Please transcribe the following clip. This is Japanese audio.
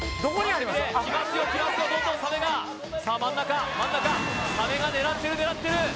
来ますよ来ますよどんどんサメがさあ真ん中真ん中サメが狙ってる狙ってる！